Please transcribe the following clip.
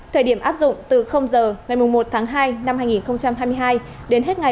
thời điểm áp dụng từ h ngày một hai hai nghìn hai mươi hai đến hết ngày ba mươi một một mươi hai hai nghìn hai mươi hai